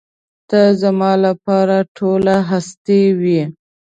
ته زما لپاره ټوله هستي وې.